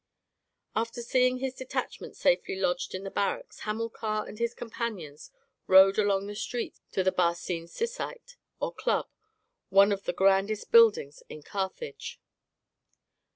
After seeing his detachment safely lodged in the barracks Hamilcar and his companions rode along the streets to the Barcine Syssite, or club, one of the grandest buildings in Carthage.